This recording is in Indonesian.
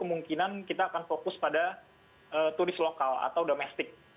kemungkinan kita akan fokus pada turis lokal atau domestik